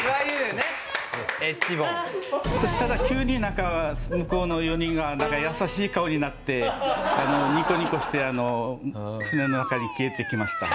そしたら急に向こうの４人が優しい顔になってニコニコして船の中に消えていきました。